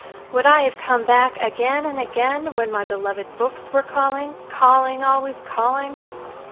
Would I have come back again and again, when my beloved books were calling, calling, always calling?